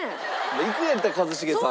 行くんやったら一茂さん。